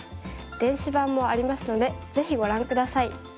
電子版もありますのでぜひご覧下さい。